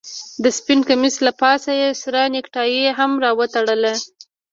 د سپين کميس له پاسه يې سره نيكټايي هم راوتړله.